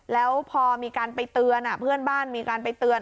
แล้วพอมีการไปเตือนเพื่อนบ้านมีการไปเตือน